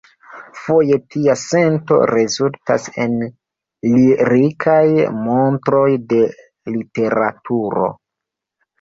Foje tia sento rezultas en lirikaj montroj de literaturo.